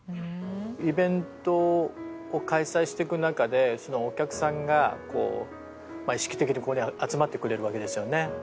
イベントを開催していく中でお客さんが意識的にここに集まってくれるわけですよね。